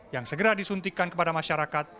yang segera disuntikan kepada masyarakat